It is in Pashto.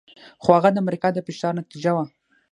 خو هغه د امریکا د فشار نتیجه وه.